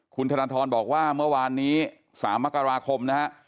คุณธนทรบอกว่าเมื่อวานนี้๓มกราคมนะฮะ